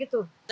inten nya